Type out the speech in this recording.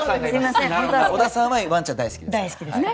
織田さんはワンちゃん大好きですよね。